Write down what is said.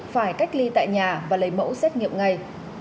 phải cách ly tại nhà và lấy mẫu xét nghiệm ngay